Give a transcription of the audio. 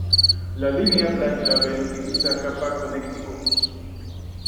La línea Black Label utiliza capa Connecticut.